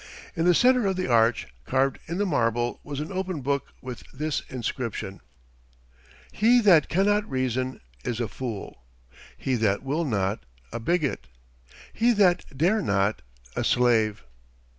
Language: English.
In the center of the arch, carved in the marble, was an open book with this inscription: "He that cannot reason is a fool, He that will not a bigot, He that dare not a slave."